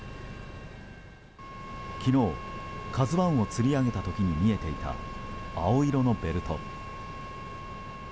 昨日、「ＫＡＺＵ１」をつり上げた時に見えていた青色のベルト。